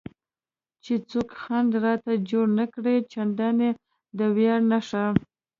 چې څوک خنډ راته جوړ نه کړي، چندانې د ویاړ نښه.